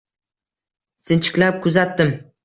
Sinchiklab kuzatdim